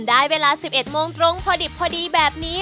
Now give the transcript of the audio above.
ได้เวลา๑๑โมงตรงพอดิบพอดีแบบนี้